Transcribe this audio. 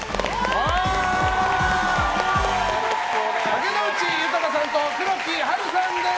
竹野内豊さんと黒木華さんです！